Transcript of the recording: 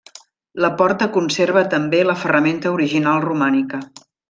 La porta conserva també la ferramenta original romànica.